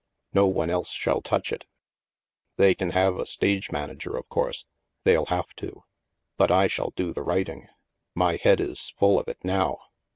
No one else shall touch it. They can have a stage manager, of course; they'll have to. But I shall do the writing. My head is full of it now.